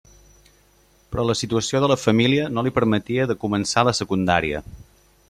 Però la situació de la família no li permetia de començar la secundària.